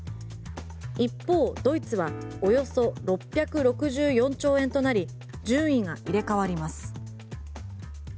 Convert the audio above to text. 一方、ドイツはおよそ６６４兆円となり順位が入れ替わります。